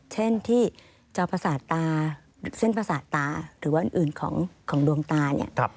เช่นที่เส้นประสาทตาหรือว่าอื่นของดวงตา